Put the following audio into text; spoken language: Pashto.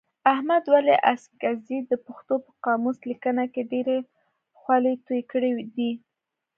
احمد ولي اڅکزي د پښتو په قاموس لیکنه کي ډېري خولې توی کړي دي.